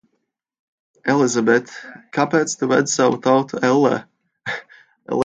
Elizabet, kāpēc tu ved savu tautu ellē?